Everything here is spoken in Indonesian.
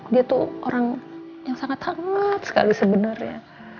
dia tuh orang yang sangat hangat sekali sebenarnya